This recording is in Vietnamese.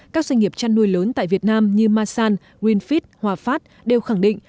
các doanh nghiệp chăn nuôi lớn tại việt nam như masan greenfield hòa phát đều khẳng định